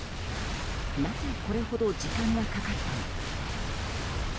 なぜこれほど時間がかかったのか。